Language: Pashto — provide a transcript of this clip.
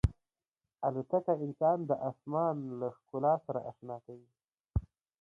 الوتکه انسان د آسمان له ښکلا سره اشنا کوي.